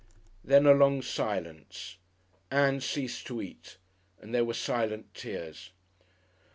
Then a long silence. Ann ceased to eat, and there were silent tears.